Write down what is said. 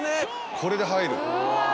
これで入る。